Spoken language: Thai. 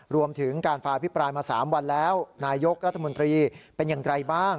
รวมถึงการฟาพิปรายมา๓วันแล้วนายกรัฐมนตรีเป็นอย่างไรบ้าง